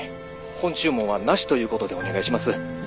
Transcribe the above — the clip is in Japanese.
本注文はなしということでお願いします。